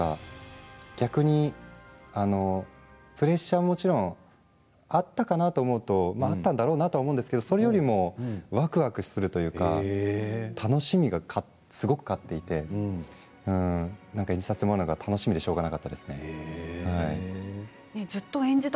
逆にプレッシャーはもちろんあったかなと思うとあったんだろうなと思うんだけれどそれよりもわくわくするというか楽しみがすごくていさせてもらうのが楽しみでしょうがありませんでした。